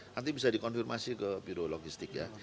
nanti bisa dikonfirmasi ke biro logistik ya